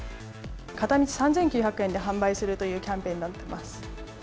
片道３９００円で販売するというキャンペーンになってます。